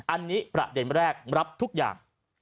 อันนี้ประเด็นแรกรับทุกอย่าง